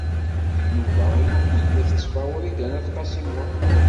D Yuba i wukud la tetteffeɣ Wrida n At Qasi Muḥ.